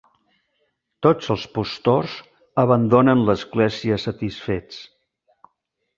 Tots els postors abandonen l'església satisfets.